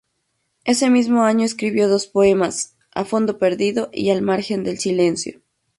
Ese mismo año escribió dos poemas, "A fondo Perdido" y "Al Margen del Silencio".